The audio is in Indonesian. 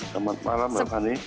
selamat malam mbak fani